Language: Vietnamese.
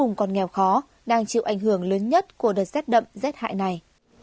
vùng còn nghèo khó đang chịu ảnh hưởng lớn nhất của đợt rét đậm rét hại này